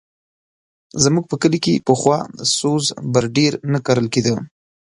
زموږ په کلي کښې پخوا سوز بر ډېر نه کرل کېدی.